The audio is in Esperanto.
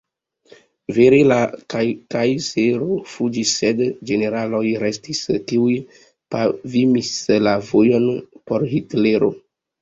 Vere, la kajzero fuĝis sed la generaloj restis, kiuj pavimis la vojon por Hitlero.